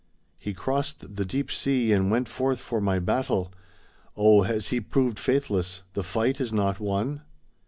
He crossed the deep sea and went forth for my battle : Oh, has he proved faithless — the fight is not won?